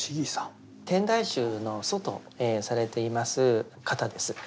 天台宗の祖とされています方です。